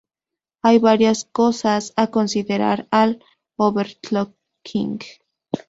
Hay varias cosas a considerar al overclocking.